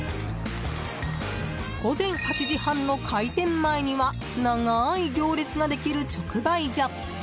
午前８時半の開店前には長い行列ができる直売所。